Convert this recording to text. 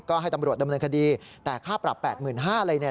ก็ให้ตำรวจดำเนินคดีแต่ค่าปรับ๘๕๐๐อะไรเนี่ย